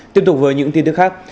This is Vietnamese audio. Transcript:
tiếp tục với những tin tức khác